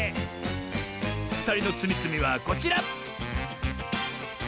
ふたりのつみつみはこちら！